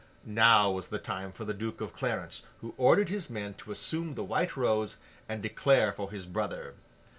Now was the time for the Duke of Clarence, who ordered his men to assume the White Rose, and declare for his brother.